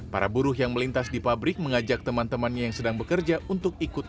para buruh yang melintas di pabrik mengajak teman temannya yang sedang bekerja untuk ikut